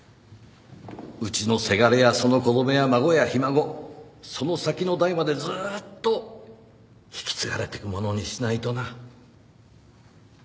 うちのせがれやその子供や孫やひ孫その先の代までずーっと引き継がれてくものにしないとな。